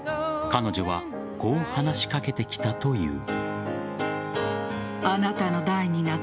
彼女はこう話しかけてきたという。